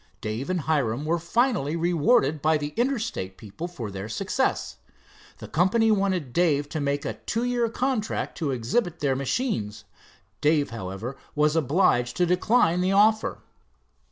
Dave and Hiram were finely rewarded by the Interstate people for their success. The company wanted Dave to make a two year contract to exhibit their machines. Dave, however, was obliged to decline the offer.